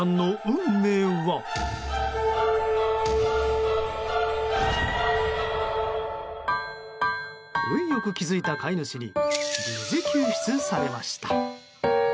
運良く気付いた飼い主に無事救出されました。